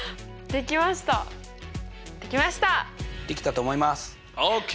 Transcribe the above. できたと思います。